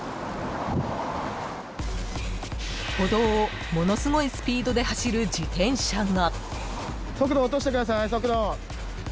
［歩道をものすごいスピードで走る自転車が］